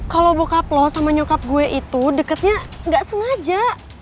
kalo bokap lo sama nyokap gue itu deketnya ga sengaja